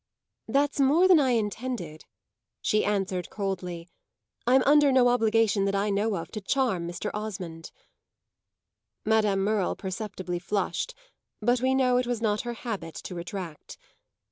"That's more than I intended," she answered coldly. "I'm under no obligation that I know of to charm Mr. Osmond." Madame Merle perceptibly flushed, but we know it was not her habit to retract.